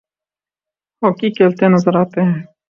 hockey کھیلتے نظر آتے ہیں